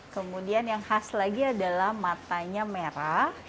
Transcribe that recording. kemudian yang khas lagi adalah matanya merah